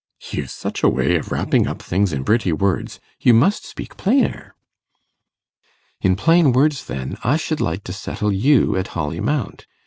'You've such a way of wrapping up things in pretty words. You must speak plainer.' 'In plain words, then, I should like to settle you at Holly Mount.